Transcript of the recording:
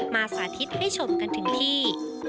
สาธิตให้ชมกันถึงที่